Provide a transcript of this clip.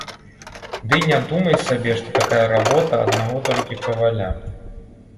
Ды і не думай сабе, што такая работа аднаго толькі каваля.